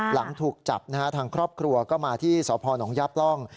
หลังถูกจับนะฮะทางครอบครัวก็มาที่สพนยับร่อง